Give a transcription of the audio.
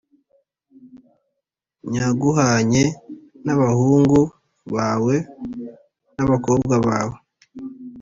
Nyaguhanye n abahungu bawe n abakobwa bawe